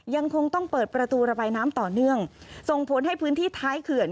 ยังคงต้องเปิดประตูระบายน้ำต่อเนื่องส่งผลให้พื้นที่ท้ายเขื่อน